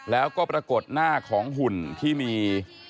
แล้วก็ปรากฏหน้าของหุ่นที่มี